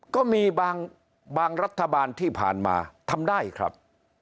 ก็มีบางรัฐบาลที่ผ่านมาทำได้ครับ